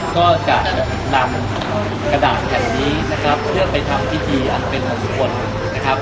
ก็จะนำกระดาษแผ่นนี้นะครับเพื่อไปทำพิธีอันเป็นมงคลนะครับ